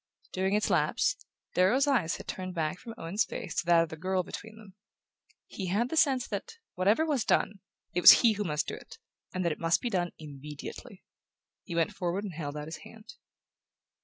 During its lapse, Darrow's eyes had turned back from Owen's face to that of the girl between them. He had the sense that, whatever was done, it was he who must do it, and that it must be done immediately. He went forward and held out his hand.